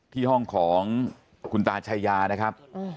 ที่ห้องของคุณตาชายานะครับ